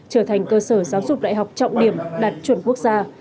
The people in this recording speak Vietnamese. trở thành cơ sở giáo dục đại học trọng điểm đạt chuẩn quốc gia